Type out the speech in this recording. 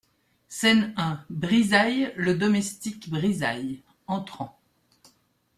Scène un BRIZAILLES, LE DOMESTIQUE BRIZAILLES, entrant.